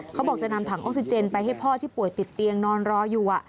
เขาบอกจะนำถังออกซิเจนไปให้พ่อที่ป่วยติดเตียงนอนรออยู่